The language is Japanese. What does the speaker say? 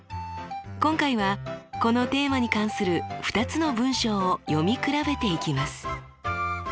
今回はこのテーマに関する２つの文章を読み比べていきます。